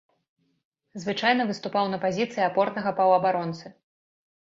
Звычайна выступаў на пазіцыі апорнага паўабаронцы.